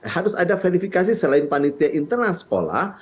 harus ada verifikasi selain panitia internal sekolah